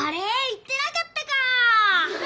言ってなかったか！